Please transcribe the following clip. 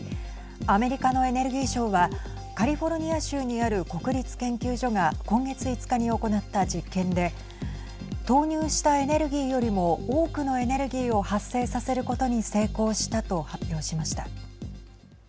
アメリカのエネルギー省はカリフォルニア州にある国立研究所が今月５日に行った実験で投入したエネルギーよりも多くのエネルギーを発生させることに成功したと発表しました。